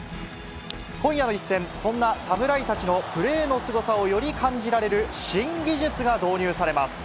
今夜の一戦、そんな侍たちのプレーのすごさを、より感じられる新技術が導入されます。